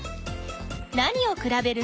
何をくらべる？